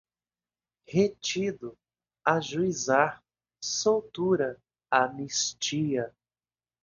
retido, ajuizar, soltura, anistia